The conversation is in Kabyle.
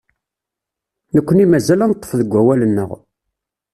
Nekni mazal ad neṭṭef deg awal-nneɣ.